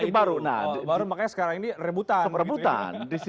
itu baru makanya sekarang ini rebutan